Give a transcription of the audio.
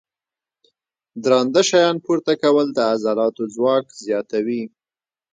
درانده شیان پورته کول د عضلاتو ځواک زیاتوي.